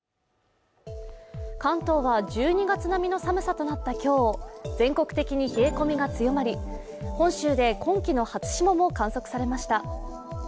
関東は１２月並みの寒さとなった今日全国的に冷え込みが強まり本州で今季の初霜も観測されました。